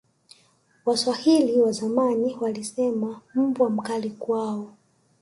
waswahili wazamani walisema mbwa mkali kwao